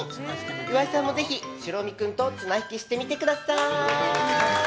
岩井さんもぜひ、しろみ君と綱引きしてみてください！